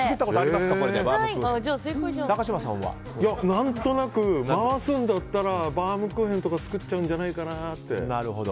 何となく、回すんだったらバウムクーヘンとか作っちゃうんじゃないかなって。